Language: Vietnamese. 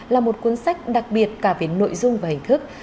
là một cuốn sách đặc biệt cả về nội dung và hình thức